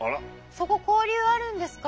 そこ交流あるんですか。